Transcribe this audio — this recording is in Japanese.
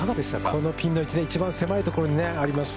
このピンの位置で一番狭いところにあります。